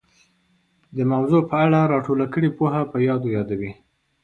د موضوع په اړه را ټوله کړې پوهه په یادو یادوي